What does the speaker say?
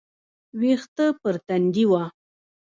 ويښته پر تندي وه.